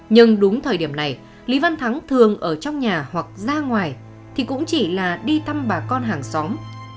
nhưng đúng thời điểm này lý văn thắng thường ở trong nhà hoặc ra ngoài thì cũng chỉ là đi thăm bà con hàng xóm